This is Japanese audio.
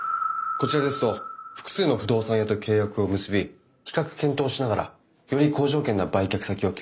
こちらですと複数の不動産屋と契約を結び比較検討しながらより好条件な売却先を決めることができるので。